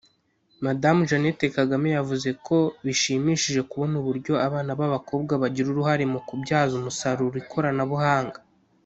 Madamu Jeannette Kagame yavuze ko bishimishije kubona uburyo abana b’abakobwa bagira uruhare mu kubyaza umusaruro ikoranabuhanga